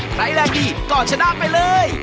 แรงดีก็ชนะไปเลย